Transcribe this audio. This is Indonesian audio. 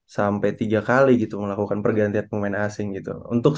sampai tiga kali gitu melakukan pergantian pemain asing gitu